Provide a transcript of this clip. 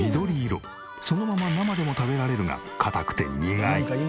そのまま生でも食べられるが硬くて苦い。